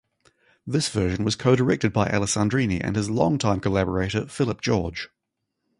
This version was co-directed by Alessandrini and his long-time collaborator Phillip George.